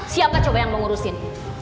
siapkah coba yang mengurusin